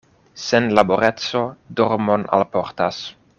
Senlaboreco dormon alportas.